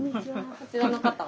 こちらの方は？